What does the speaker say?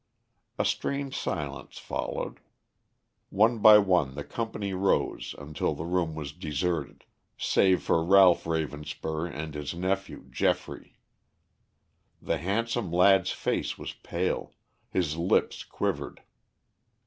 A strained silence followed. One by one the company rose until the room was deserted, save for Ralph Ravenspur and his nephew Geoffrey. The handsome lad's face was pale, his lips quivered.